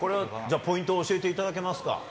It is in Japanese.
ポイントを教えていただけますか。